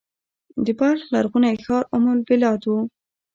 د بلخ لرغونی ښار ام البلاد و